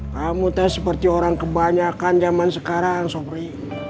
kamu teh seperti orang kebanyakan zaman sekarang sopri